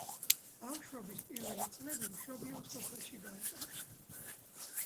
ბავშვობის პირველი წლები მშობლიურ სოფელში გაატარა.